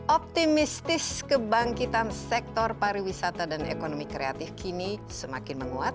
optimistis kebangkitan sektor pariwisata dan ekonomi kreatif kini semakin menguat